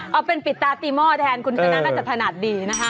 เอาเป็นปิดตาตีหม้อแทนคุณชนะน่าจะถนัดดีนะคะ